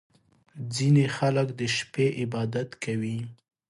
• ځینې خلک د شپې عبادت کوي.